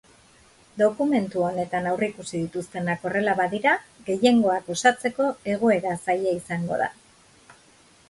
Dokumentu honetan aurreikusi dituztenak horrela badira, gehiengoak osatzeko egoera zaila izango da.